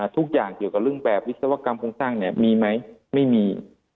ทุกอย่างเกี่ยวกับเรื่องแบบวิศวกรรมโครงสร้างมีไหมไม่มี